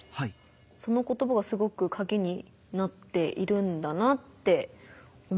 その言葉がすごくカギになっているんだなって思いました。